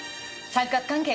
三角関係？